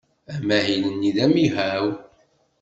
Amahil-nni d amihaw.